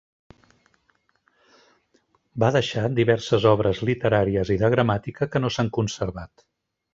Va deixar diverses obres literàries i de gramàtica que no s'han conservat.